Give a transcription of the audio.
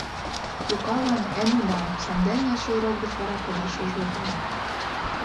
Лукалан — эн удам, сандене эше урок деч вара кодашыже логале.